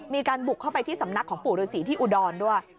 มีการบุกเข้าไปที่สำนักของปู่ฤษีที่อุดรด้วย